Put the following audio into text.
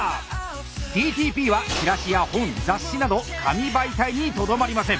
ＤＴＰはチラシや本雑誌など紙媒体にとどまりません！